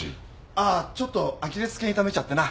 ああちょっとアキレス腱痛めちゃってな。